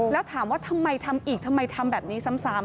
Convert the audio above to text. แล้วถามว่าทำไมทำอีกทำไมทำแบบนี้ซ้ำ